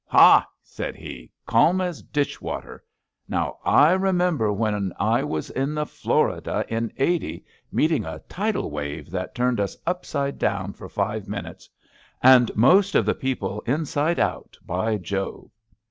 " Hah! *^ said he, *^ calm as ditch water I Now I remember when I was in the Florida in '80, meeting a tidal wave that turned us upside down for five minutes, and most of the people inside out, by Jove!